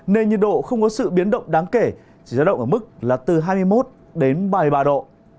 nền nhiệt độ không có sự biến động đáng kể chỉ ra động ở mức là từ hai mươi một đến ba mươi ba độ